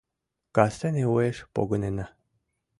Кастене уэш погынена.